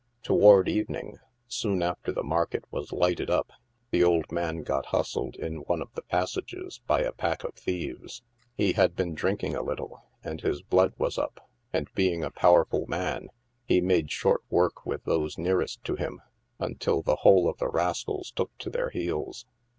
Towards evening, soon after the market was lighted up, the old man got hustled in one of the passages by a ijnek of thieves. He had boon drinking a little, and his blood was up, and, being a powerful man, he made short work with those nearest to him, until the whole of the rascals took to their heels.